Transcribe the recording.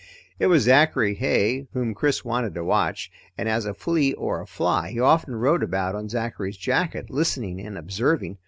It was Zachary Heigh whom Chris wanted to watch, and as a flea or a fly he often rode about on Zachary's jacket listening and observing.